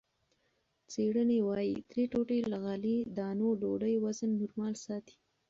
څېړنې وايي، درې ټوټې له غلې- دانو ډوډۍ وزن نورمال ساتي.